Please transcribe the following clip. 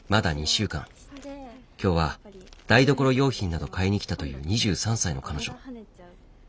今日は台所用品など買いに来たという２３歳の彼女。